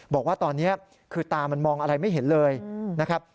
บอกว่าตอนนี้คือตามันมองอะไรไม่เห็นเลยนะครับ